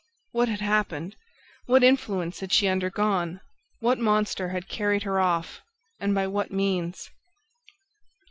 What had happened? What influence had she undergone? What monster had carried her off and by what means?